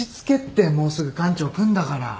もうすぐ館長来んだから。